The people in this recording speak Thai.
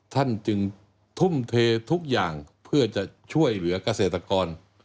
ท่านจึงทุ่มเททุกอย่างเพื่อจะช่วยเหลือกเกษตรกร